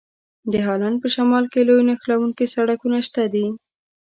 د هالند په شمال کې لوی نښلوونکي سړکونه شته دي.